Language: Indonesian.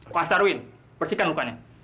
kau as darwin bersihkan lukanya